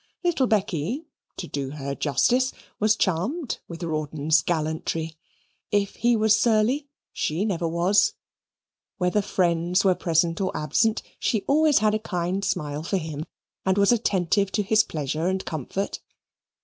Little Becky, to do her justice, was charmed with Rawdon's gallantry. If he was surly, she never was. Whether friends were present or absent, she had always a kind smile for him and was attentive to his pleasure and comfort.